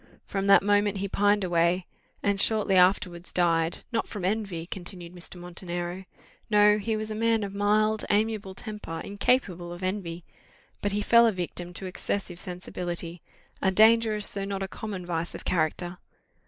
From that moment he pined away, and shortly afterwards died: not from envy," continued Mr. Montenero; "no, he was a man of mild, amiable temper, incapable of envy; but he fell a victim to excessive sensibility a dangerous, though not a common vice of character."